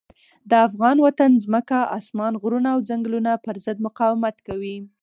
د افغان وطن ځمکه، اسمان، غرونه او ځنګلونه پر ضد مقاومت کوي.